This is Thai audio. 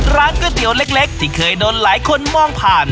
ร้านก๋วยเตี๋ยวเล็กที่เคยโดนหลายคนมองผ่าน